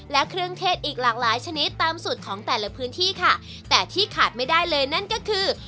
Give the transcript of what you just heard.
และเครื่องเทศอีกหลากหลายชนิดตามสูตรของแต่ละพื้นที่ค่ะแต่ที่ขาดไม่ได้เลยนั่นก็คือ